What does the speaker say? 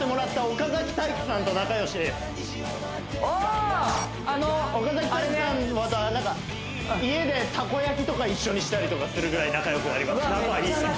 岡崎体育さんとは家でたこ焼きとか一緒にしたりとかするぐらい仲よくなりました